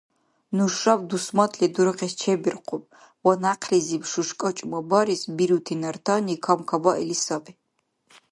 Нушаб дусмадли дургъес чебуркъуб, ва някълизиб шушкӀа чӀумабарес бирути нартани камкабаили саби.